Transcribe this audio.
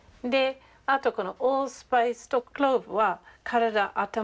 あとこのオールスパイスとクローブは体温まる。